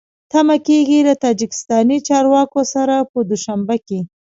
تمه کېږي له تاجکستاني چارواکو سره په دوشنبه کې